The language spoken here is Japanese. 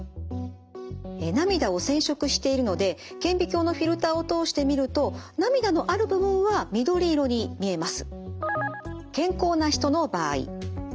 涙を染色しているので顕微鏡のフィルターを通して見ると涙のある部分は緑色に見えます。